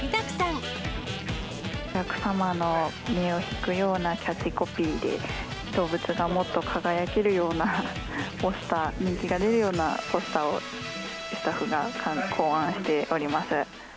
お客様の目を引くようなキャッチコピーで、動物がもっと輝けるようなポスター、人気が出るようなポスターをスタッフが考案しております。